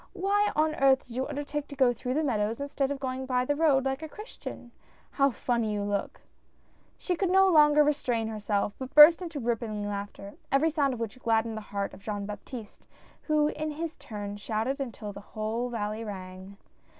Why on earth did you undertake to go through the meadows instead of going by the road like a Christian — How funny you look I" She could no longer restrain herself, but burst into rippling laughter, every sound of which gladdened the heart of Jean Baptiste, who in his turn shouted until the whole valley rang.